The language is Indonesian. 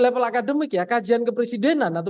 level akademik ya kajian kepresidenan atau